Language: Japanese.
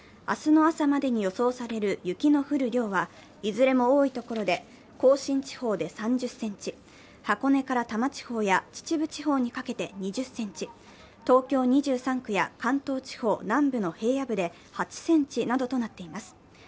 明日の朝までに予想される雪の降る量はいずれも多い所で甲信地方で３０ｃｍ、箱根から多摩地方や秩父地方にかけて２０ｃｍ、東京２３区や関東地方南部の平野部で８ｃｍなどとなっています。